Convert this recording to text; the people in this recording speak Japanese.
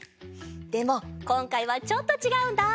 でもこんかいはちょっとちがうんだ！